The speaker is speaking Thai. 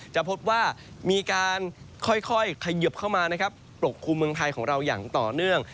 จะพบว่ามีการค่อยเขยิบเข้ามานะครับปกคลุมเมืองไทยของเราอย่างต่อเนื่อง